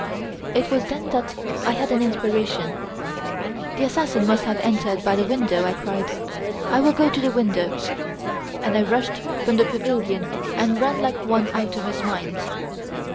"'It was then that I had an inspiration. "The assassin must have entered by the window!" I cried; "I will go to the window!" and I rushed from the pavilion and ran like one out of his mind.